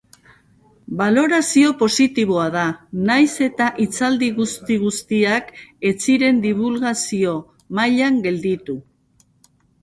Balorazioa positiboa da, nahiz eta hitzaldi guzti-guztiek ez ziren dibulgazio-mailan gelditu.